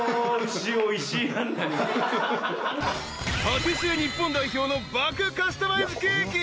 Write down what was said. ［パティシエ日本代表の爆カスタマイズケーキ］